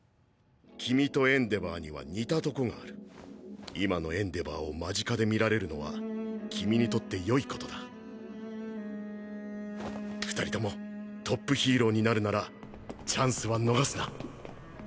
君とエンデヴァーには似たとこがある今のエンデヴァーを間近で見られるのは君にとって良い事だ２人ともトップヒーローになるならチャンスは逃すな！